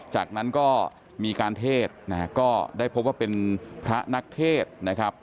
จากนั้นก็มีการเทศนะฮะก็ได้พบว่าเป็นพระนักเทศนะครับ